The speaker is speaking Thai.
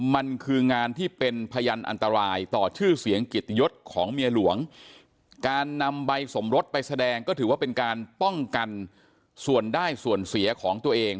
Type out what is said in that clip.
มันคืองานที่เป็นพยานอันตรายต่อชื่อเสียงกิตยศของเมียหลวงการนำใบสมรสไปแสดงก็ถือว่าเป็นการป้องกันส่วนได้ส่วนเสียของตัวเอง